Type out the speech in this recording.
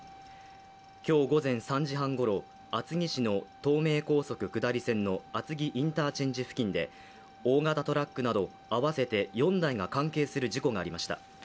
今日午前３時半ごろ、厚木市の東名高速道路下り線の厚木インターチェンジ付近で大型トラックなど合わせて４台が関係する事故がありました。